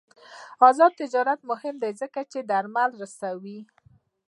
آزاد تجارت مهم دی ځکه چې درمل رسوي.